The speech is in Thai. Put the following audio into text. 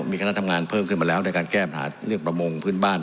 มีคณะทำงานเพิ่มขึ้นมาแล้วในการแก้ปัญหาเรื่องประมงพื้นบ้าน